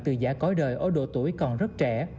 từ giả cói đời ở độ tuổi còn rất trẻ